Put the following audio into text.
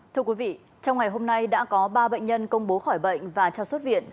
thưa quý vị trong ngày hôm nay đã có ba bệnh nhân công bố khỏi bệnh và cho xuất viện